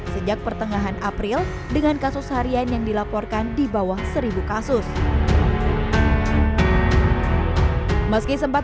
sejak pertengahan april dengan kasus harian yang dilaporkan di bawah seribu kasus meski sempat